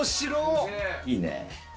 いいね。